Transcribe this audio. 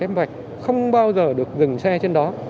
và cái vạch không bao giờ được dừng xe trên đó